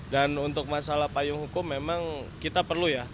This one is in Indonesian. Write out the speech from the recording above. untuk masalah payung hukum memang kita perlu ya